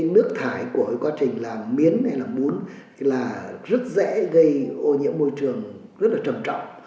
nước thải của quá trình làm miến hay là bún rất dễ gây ô nhiễm môi trường rất trầm trọng